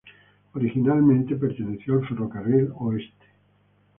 Originalmente perteneció al Ferrocarril Oeste.